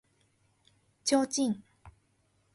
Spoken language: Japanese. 提灯